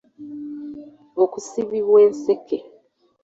Okusibibwa enseke.